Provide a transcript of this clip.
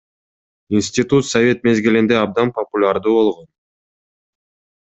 Институт совет мезгилинде абдан популярдуу болгон.